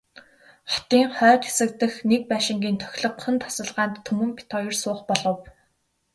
Хотын хойд хэсэг дэх нэг байшингийн тохилогхон тасалгаанд Түмэн бид хоёр суух болов.